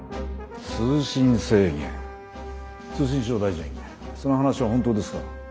通信制限通信省大臣その話は本当ですか？